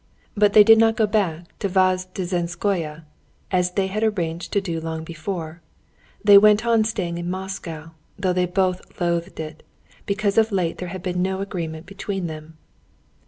But they did not go back to Vozdvizhenskoe, as they had arranged to do long before; they went on staying in Moscow, though they both loathed it, because of late there had been no agreement between them.